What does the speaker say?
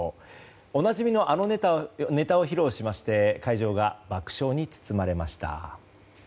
おなじみのあのネタを披露しまして会場が爆笑に包まれました。